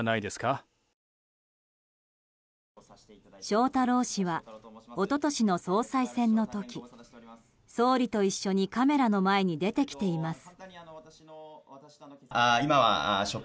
翔太郎氏は一昨年の総裁選の時総理と一緒にカメラの前に出てきています。